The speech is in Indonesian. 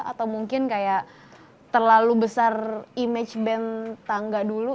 atau mungkin kayak terlalu besar image band tangga dulu